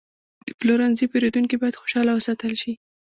د پلورنځي پیرودونکي باید خوشحاله وساتل شي.